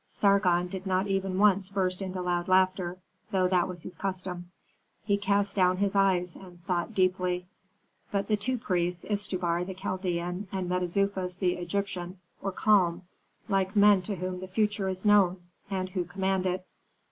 Sargon did not even once burst into loud laughter, though that was his custom; he cast down his eyes and thought deeply. But the two priests Istubar, the Chaldean, and Mentezufis, the Egyptian were calm, like men to whom the future is known, and who command it.